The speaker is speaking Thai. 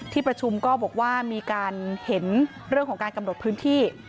ที่ประชุมก็บอกว่ามีการเห็นเรื่องของการกำหนดพื้นที่